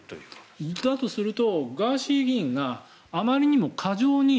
だとするとガーシー議員があまりにも過剰に。